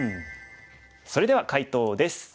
それでは解答です。